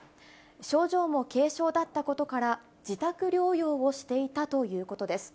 症状も軽症だったことから、自宅療養をしていたということです。